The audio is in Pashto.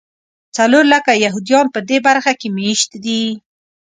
څلور لکه یهودیان په دې برخه کې مېشت دي.